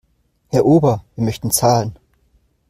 Herr Ober, wir möchten zahlen.